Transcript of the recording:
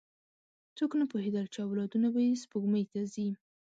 څوک نه پوهېدل، چې اولادونه به یې سپوږمۍ ته ځي.